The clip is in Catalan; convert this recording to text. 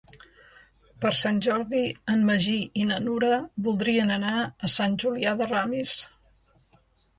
Per Sant Jordi en Magí i na Nura voldrien anar a Sant Julià de Ramis.